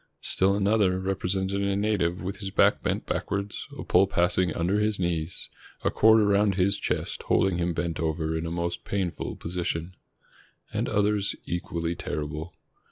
Still another represented a native with his back bent backward, a pole passing under his knees, a cord around his chest holding him bent over in a most painful position. And others equally terrible.